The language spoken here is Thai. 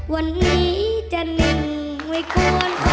วันนี้จะนิ่งไม่กวนควันตา